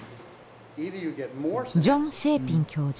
ジョン・シェーピン教授。